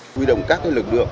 huy động các lực lượng